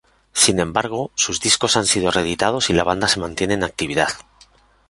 Sin embargo, sus discos han sido reeditados y la banda se mantiene en actividad.